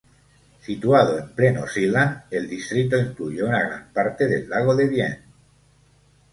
Situado en pleno Seeland, el distrito incluye una gran parte del lago de Bienne.